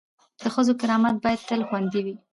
د ښځو کرامت باید تل خوندي وي.